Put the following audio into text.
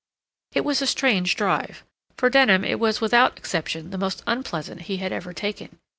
It was a strange drive. For Denham it was without exception the most unpleasant he had ever taken.